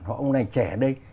họ ông này trẻ đây